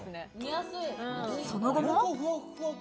その後も。